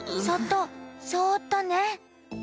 そっとそっとね。